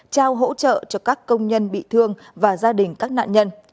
trao hỗ trợ cho các công nhân bị thương và gia đình các nạn nhân